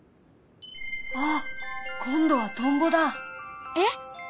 あっ今度はトンボだ！え？